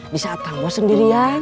di saat kamu sendiri